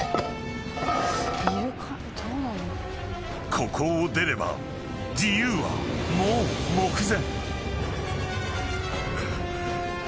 ［ここを出れば自由はもう目前］